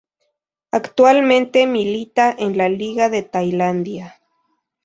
Actualmente milita en la Liga de Tailandia.